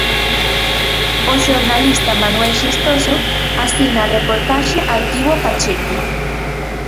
O xornalista Manuel Xestoso asina a reportaxe Arquivo Pacheco.